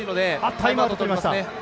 タイムアウトとりました。